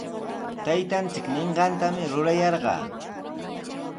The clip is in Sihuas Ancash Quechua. Taytanchik ninqantami rurayarqaa.